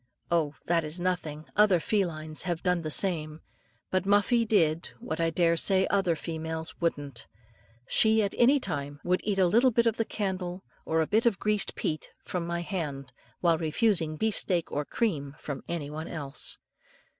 Oh! that is nothing, other females have done the same; but Muffie did, what I daresay other females wouldn't, she at any time would eat a little bit of the end of a candle, or a bit of greased peat from my hand, while refusing beef steak or cream from any one else.